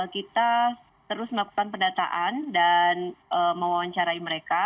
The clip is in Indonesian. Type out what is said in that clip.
kita terus melakukan pendataan dan mewawancarai mereka